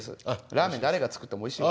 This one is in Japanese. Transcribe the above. ラーメン誰が作ってもおいしい。